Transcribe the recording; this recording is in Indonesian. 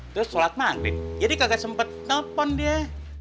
terus sholat mandi jadi nggak sempat telepon dia